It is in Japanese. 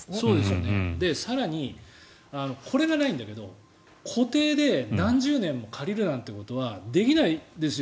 更にこれがないんだけど固定で何十年も借りるなんてことはできないですよ。